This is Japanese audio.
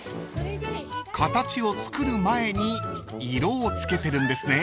［形を作る前に色を付けてるんですね］